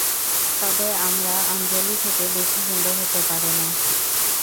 তবে আমার আঞ্জলি থেকে বেশি সুন্দর হতে পারে না।